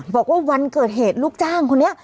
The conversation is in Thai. บอกว่าวันเกิดเหตุลูกจ้างคนนี้